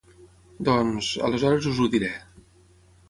-Doncs, aleshores us ho diré…